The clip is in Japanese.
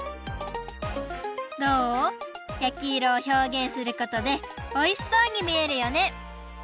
どう？やきいろをひょうげんすることでおいしそうにみえるよね！